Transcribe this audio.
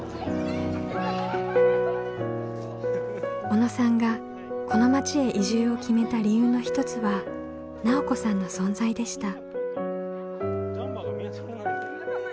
小野さんがこの町へ移住を決めた理由の一つは奈緒子さんの存在でした。